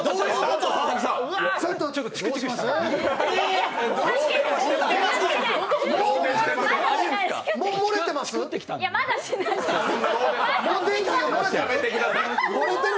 ちょっとチクチクしてる。